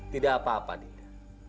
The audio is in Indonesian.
tidak apa apa dinda